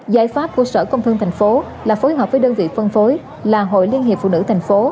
giải pháp của sở công thương tp là phối hợp với đơn vị phân phối là hội liên hiệp phụ nữ tp